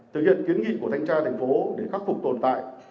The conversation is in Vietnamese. thực hiện kiến nghị của thanh tra thành phố để khắc phục tồn tại